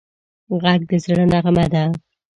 غږ د زړه نغمه ده